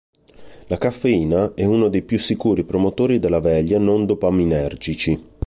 La caffeina è uno dei più sicuri promotori della veglia non dopaminergici.